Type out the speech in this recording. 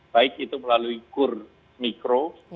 baik itu melalui kur mikro